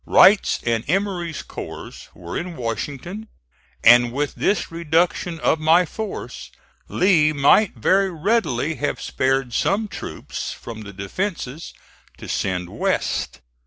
Wright's and Emory's corps were in Washington, and with this reduction of my force Lee might very readily have spared some troops from the defences to send West.